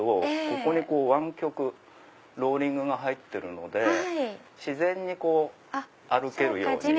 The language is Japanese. ここに湾曲ローリングが入ってるので自然に歩けるように。